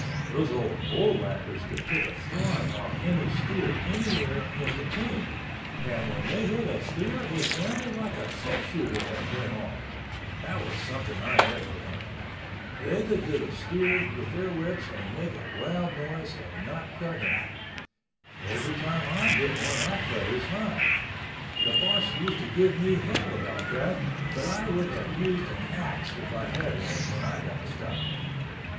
Those old bullwhackers could pick a fly off any steer anywhere in the team, and when they hit a steer it sounded like a six shooter had went off—that was something I never learned. They could hit a steer with their whips and make a loud noise and not cut him. Every time I hit one I cut his hide. The boss used to give me hell about that but I would have used an axe if I had one when I got stuck.